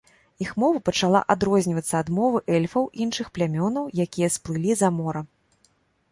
Іх мова пачала адрознівацца ад мовы эльфаў іншых плямёнаў, якія сплылі за мора.